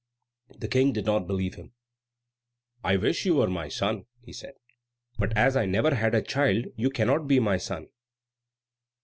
The King did not believe him. "I wish you were my son," he said; "but as I never had a child, you cannot be my son."